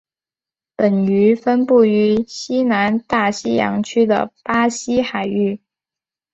本鱼分布于西南大西洋区的巴西海域。